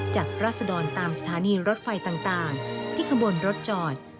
ราศดรตามสถานีรถไฟต่างที่ขบวนรถจอด